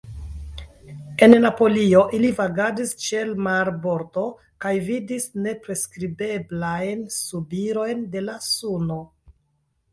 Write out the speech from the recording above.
En Napolio ili vagadis ĉe l' marbordo kaj vidis nepriskribeblajn subirojn de la suno.